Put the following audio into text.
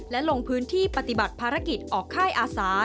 และลงพื้นที่ปฏิบัติภารกิจออกค่ายอาสา